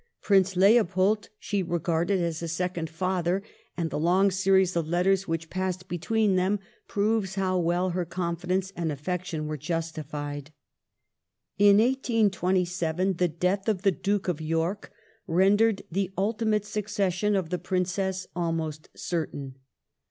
^ Prince Leopold she regarded as a second father, and the long series of lettei's which passed between them proves how well her confidence and affection were justified.^ In 1827 the death of the Duke of York rendered the ultimate succession of the Princess almost certain.